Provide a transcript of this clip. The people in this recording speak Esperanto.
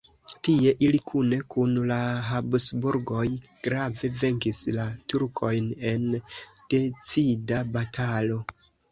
Tie ili kune kun la Habsburgoj grave venkis la turkojn en decida batalo.